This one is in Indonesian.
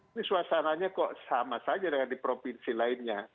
ini suasananya kok sama saja dengan di provinsi lainnya